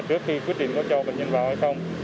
trước khi quyết định có cho bệnh nhân vào hay không